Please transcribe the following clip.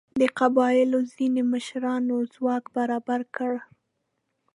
د قبیلو ځینو مشرانو ځواک برابر کړ.